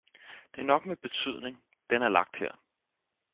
det er nok med betydning, den er lagt her.